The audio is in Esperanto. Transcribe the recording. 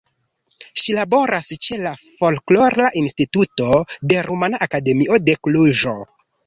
Ŝi laboras ĉe la Folklora Instituto de Rumana Akademio de Kluĵo.